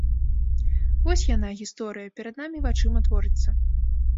Вось яна, гісторыя, перад нашымі вачыма творыцца.